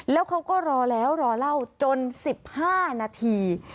แล้วเขาก็รอแล้วรอเล่าจน๑๕นาที